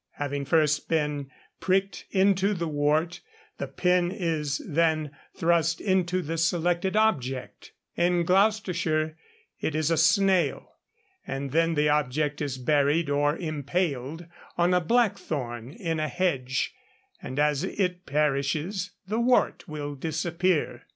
Having first been pricked into the wart, the pin is then thrust into the selected object in Gloucestershire it is a snail and then the object is buried or impaled on a blackthorn in a hedge, and as it perishes the wart will disappear.